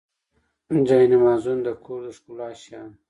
جانمازونه د کور د ښکلا شیان.